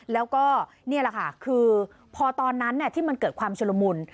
แล้วก็นี่แหละค่ะคือพอตอนนั้นที่มันเกิดความชุลมุน